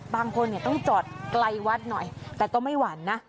บางคนต้องจอดไกลวัดหน่อยแต่ก็ไม่หวั่นนะ